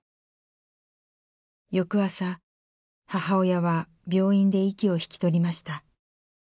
翌朝母親は病院で息を引き取りました。